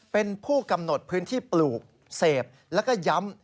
เป็นผู้กำหนดพื้นที่ปลูกเสพแล้วก็ย้ำ